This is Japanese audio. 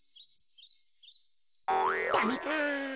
ダメか。